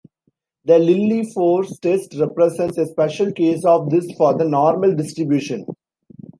The Lilliefors test represents a special case of this for the normal distribution.